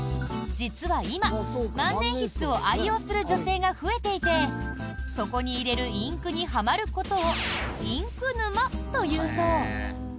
実は今、万年筆を愛用する女性が増えていてそこに入れるインクにはまることをインク沼と言うそう。